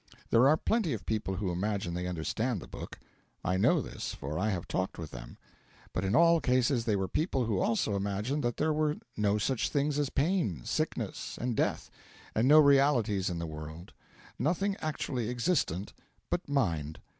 There are plenty of people who imagine they understand the book; I know this, for I have talked with them; but in all cases they were people who also imagined that there were no such things as pain, sickness, and death, and no realities in the world; nothing actually existent but Mind.